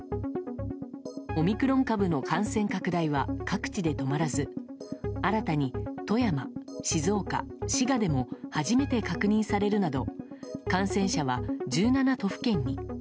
オミクロン株の感染拡大は各地で止まらず新たに富山、静岡、滋賀でも初めて確認されるなど感染者は１７都府県に。